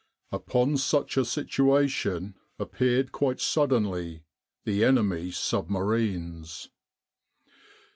... Upon such a situation appeared quite suddenly the enemy submarines."